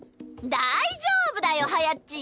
大丈夫だよはやっち！